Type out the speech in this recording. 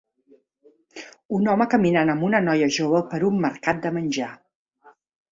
Un home caminant amb una noia jove per un mercat de menjar.